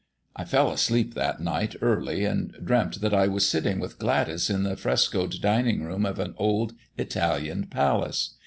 I fell asleep that night early, and dreamt that I was sitting with Gladys in the frescoed dining room of an old Italian palace.